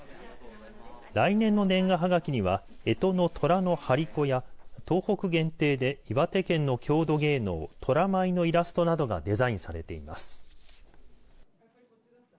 来年の年賀はがきにはえとのとらの張り子や東北限定で岩手県の郷土芸能虎舞のイラストなどがデザインされています。